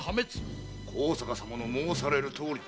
高坂様の申されるとおりだ。